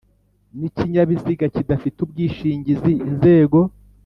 n ikinyabiziga kidafite ubwishingizi inzego